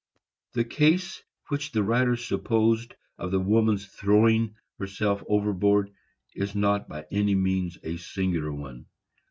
The case which the writer supposed of the woman's throwing herself overboard is not by any means a singular one.